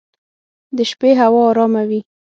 د شپې هوا ارامه وي.